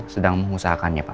sedang mengusahakannya pak